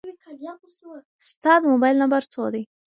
ستا د موبایل نمبر څو دی؟